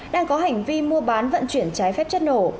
đang có hành vi mua bán vận chuyển trái phép chất nổ